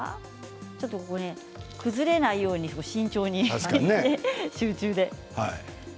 崩れないように慎重に集中で。